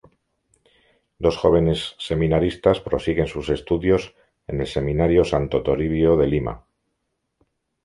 Dos jóvenes seminaristas prosiguen sus estudios en el seminario "Santo Toribio" de Lima.